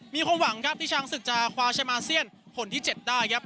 มีความหวังที่ช้างศึกจะความใช้มาเสี่ยงผลที่๗ได้